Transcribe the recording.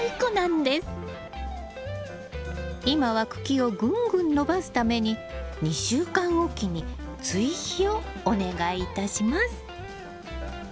今は茎をぐんぐん伸ばすために２週間おきに追肥をお願いいたします。